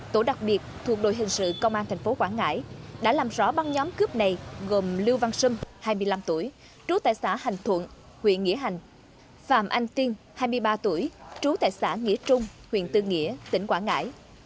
tổ đặc biệt thuộc đội hình sự công an tp quảng ngãi đã làm rõ băng nhóm cướp này gồm lưu văn sâm hai mươi năm tuổi trú tại xã hành thuận huyện nghĩa hành phạm anh tiên hai mươi ba tuổi trú tại xã nghĩa trung huyện tư nghĩa tỉnh quảng ngãi